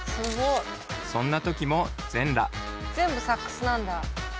そんな時も全裸全部サックスなんだ。